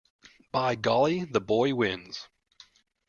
By golly, the boy wins.